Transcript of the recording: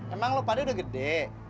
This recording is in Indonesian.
emang lo pada udah gede